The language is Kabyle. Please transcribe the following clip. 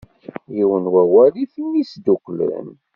Yiwen wawal i ten-isedduklen.